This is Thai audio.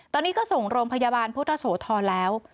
ตอนนี้ก็ส่งโรงพยาบาลพุทธโสธรแล้ว